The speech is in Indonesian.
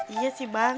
iya sih bang